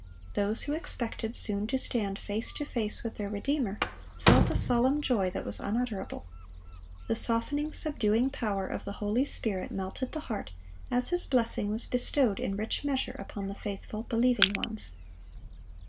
Those who expected soon to stand face to face with their Redeemer, felt a solemn joy that was unutterable. The softening, subduing power of the Holy Spirit melted the heart, as His blessing was bestowed in rich measure upon the faithful, believing ones.